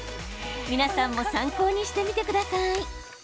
皆さんも参考にしてみてください。